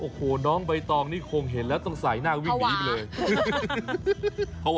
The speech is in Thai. โอ้โหน้องใบตองนี้คงเห็นแล้วต้องใส่หน้าวิบีเลยภาวะ